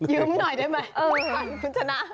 ยื้มหน่อยได้ไหมฟันคุณชนะ